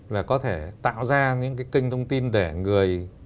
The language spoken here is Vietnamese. là có thể tạo ra những cái kênh thông tin để người